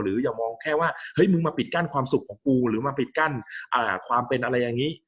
อย่ามองแค่ว่าเฮ้ยมึงมาปิดกั้นความสุขของกูหรือมาปิดกั้นความเป็นอะไรอย่างนี้